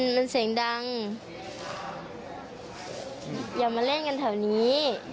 มันเสียงดังอย่ามาเล่นกันแถวนี้